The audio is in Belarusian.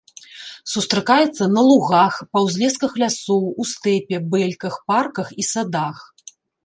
Сустракаецца на лугах, па ўзлесках лясоў, у стэпе, бэльках, парках і садах.